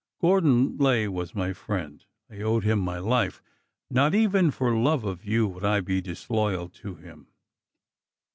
Gordon Lay was my friend; I owed him my life; not even for lovfe of you would I be disloyal to him.